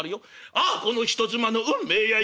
ああこの人妻の運命やいかに！」。